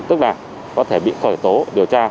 tức là có thể bị khỏi tố điều tra